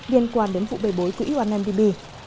liên quan đến vụ bày bối của unmdb